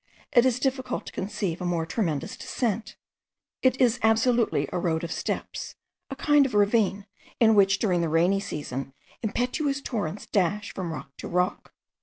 It is difficult to conceive a more tremendous descent; it is absolutely a road of steps, a kind of ravine, in which, during the rainy season, impetuous torrents dash from rock to rock.